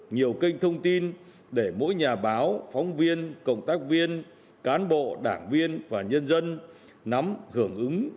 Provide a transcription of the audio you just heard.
nhiều kênh thông tin để mỗi nhà báo phóng viên cộng tác viên cán bộ đảng viên và nhân dân nắm hưởng ứng